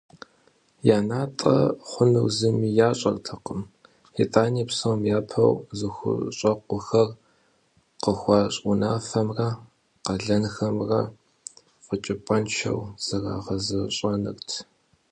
Я натӀэ хъунур зыми ящӀэртэкъым, итӀани псом япэу зыхущӀэкъухэр къыхуащӀ унафэмрэ къалэнхэмрэ фэкӀыпӀэншэу зэрагъэзэщӀэнырт.